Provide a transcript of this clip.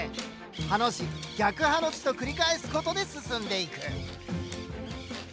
ハの字逆ハの字と繰り返すことで進んでいく。